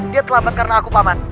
dia terlambat karena aku paman